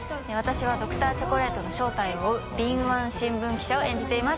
笋錬庁．チョコレートの正体を追う厦新聞記者を演じています。